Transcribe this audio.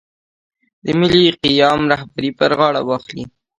د ملي قیام رهبري پر غاړه واخلي.